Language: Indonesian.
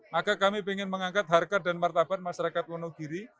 maka kami ingin mengangkat harkat dan martabat masyarakat wonogiri